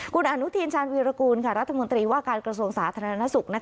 คุณอนุทินชาญวีรกูลรัฐมนตรีว่าการกระทรวงสาธารณสุข